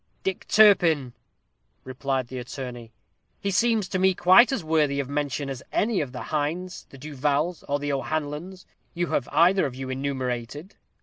"Dick Turpin," replied the attorney: "he seems to me quite as worthy of mention as any of the Hinds, the Du Vals, or the O'Hanlons, you have either of you enumerated."